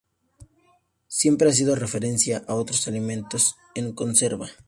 Siempre haciendo referencia a otros alimentos "en conserva".